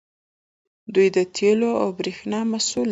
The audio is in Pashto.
دوی د تیلو او بریښنا مسوول دي.